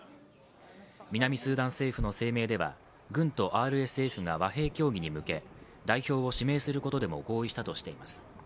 南スーダン政府の声明では、軍とＲＳＦが和平協議に向け代表を指名することでも合意したとしています。